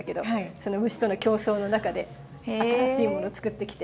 その虫との競争の中で新しいものつくってきて。